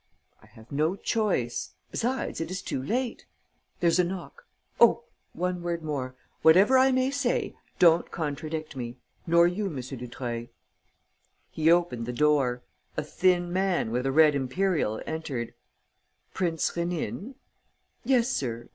"I have no choice. Besides, it is too late. There's a knock. Oh, one word more! Whatever I may say, don't contradict me. Nor you, M. Dutreuil." He opened the door. A thin man, with a red imperial, entered: "Prince Rénine?" "Yes, sir.